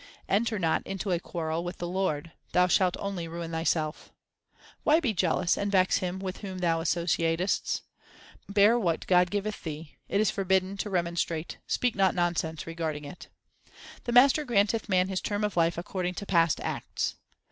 Enter not into a quarrel with the Lord ; thou shalt only ruin thyself. Why be jealous and vex him with whom thou associatest ? Bear what God giveth thee ; it is forbidden to remon strate ; speak not nonsense regarding it. The Master granteth man his term of life according to past acts.